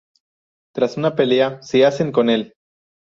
Tras una pelea se hacen con el.